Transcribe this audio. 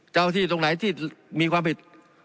เจ้าที่ตรงไหนที่มีความผิด